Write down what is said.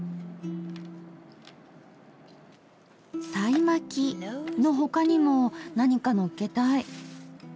さいまきの他にも何か載っけたい。